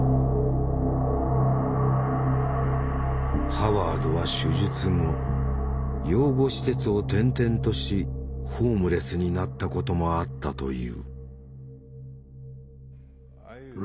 ハワードは手術後養護施設を転々としホームレスになったこともあったという。